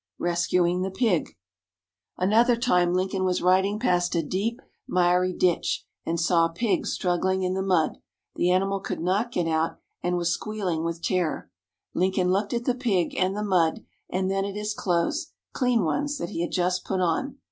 Rescuing the Pig Another time, Lincoln was riding past a deep miry ditch, and saw a pig struggling in the mud. The animal could not get out, and was squealing with terror. Lincoln looked at the pig and the mud, and then at his clothes clean ones, that he had just put on.